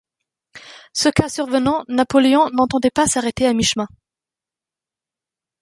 Ce cas survenant, Napoléon n'entendait pas s'arrêter à mi-chemin.